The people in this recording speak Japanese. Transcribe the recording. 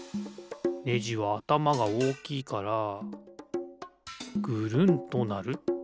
ネジはあたまがおおきいからぐるんとなる。